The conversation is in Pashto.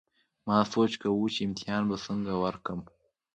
ما سوچ کوو چې امتحان به څنګه ورکوم